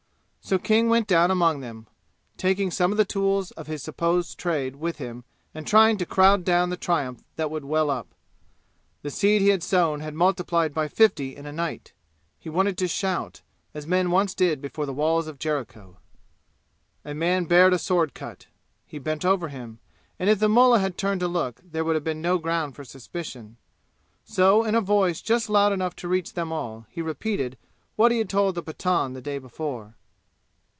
So King went down among them, taking some of the tools of his supposed trade with him and trying to crowd down the triumph that would well up. The seed he had sown had multiplied by fifty in a night. He wanted to shout, as men once did before the walls of Jericho. A man bared a sword cut. He bent over him, and if the mullah had turned to look there would have been no ground for suspicion. So in a voice just loud enough to reach them all, he repeated what he had told the Pathan the day before.